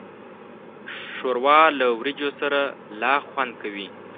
ښوروا له وریجو سره لا خوند کوي.